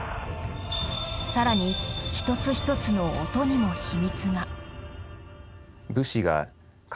更に一つ一つの音にも秘密が。